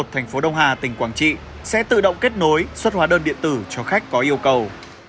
thành phố đông hà tỉnh quảng trị sẽ tự động kết nối xuất hóa đơn điện tử cho khách có yêu cầu